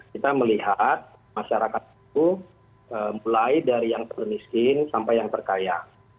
kita melihat masyarakat itu mulai dari yang termiskin sampai yang terkaya